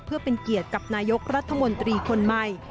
เพื่อเป็นเกียรติกับนายกรัฐมนตรีคนใหม่